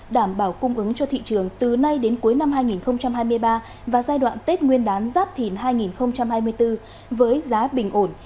đảm bảo cung ứng cho thị trường từ nay đến cuối năm hai nghìn hai mươi ba và giai đoạn tết nguyên đán giáp thìn hai nghìn hai mươi bốn với giá bình ổn